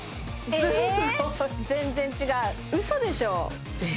すごい全然違う嘘でしょ？